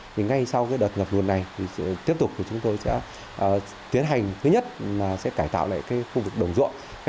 thì ngay sau cái đợt ngập nguồn này thì sẽ tiếp tục thì chúng tôi sẽ tiến hành thứ nhất là sẽ cải tạo lại cái khu vực đồng ruộng